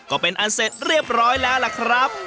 ก็เป็นเฉพาะเรียบร้อยแล้วครับ